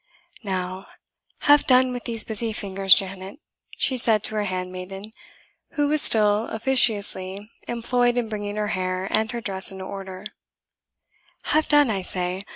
"Now, have done with these busy fingers, Janet," she said to her handmaiden, who was still officiously employed in bringing her hair and her dress into order "have done, I say.